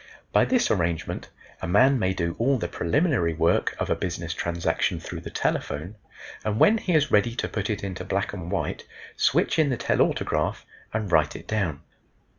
By this arrangement a man may do all the preliminary work of a business transaction through the telephone, and when he is ready to put it into black and white switch in the telautograph and write it down.